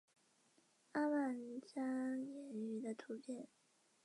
缩头鱼虱似乎不会对鱼的身体造成其他伤害。